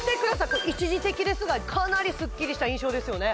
これ一時的ですがかなりスッキリした印象ですよね